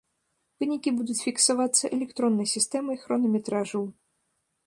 Вынікі будуць фіксавацца электроннай сістэмай хронаметражу.